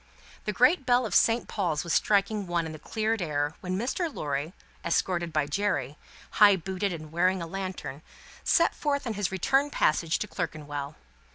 The great bell of Saint Paul's was striking one in the cleared air, when Mr. Lorry, escorted by Jerry, high booted and bearing a lantern, set forth on his return passage to Clerkenwell.